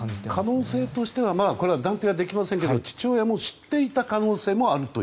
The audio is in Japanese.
可能性としてはこれは断定できませんが父親も知っていた可能性があると。